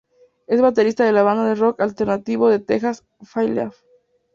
Es baterista de la banda de rock alternativo de Texas, Flyleaf.